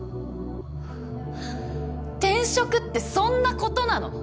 はぁ転職ってそんなことなの？